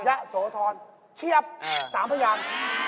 ยะสวธรเชียบ๓พยาง